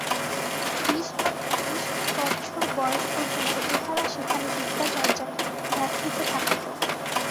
বিশ বা ত্রিশ বৎসর বয়স পর্যন্ত উহারা সেখানে বিদ্যাচর্চায় ব্যাপৃত থাকিত।